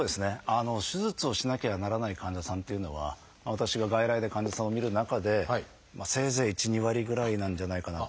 手術をしなきゃならない患者さんっていうのは私が外来で患者さんを診る中でせいぜい１２割ぐらいなんじゃないかなと。